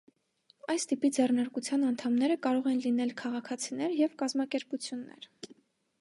Այս տիպի ձեռնարկության անդամներ կարող են լինել քաղաքացիներ և կազմակերպություններ։